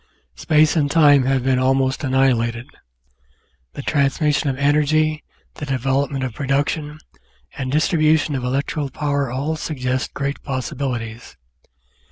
Space and time have been almost annihilated ; the transmis sion of energy, the development of production, and distribution of electrical power all suggest great possibilities.